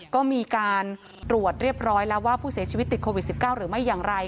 ก็มีการตรวจเรียบร้อยแล้วว่าผู้เสียชีวิตติดโควิด๑๙หรือไม่อย่างไร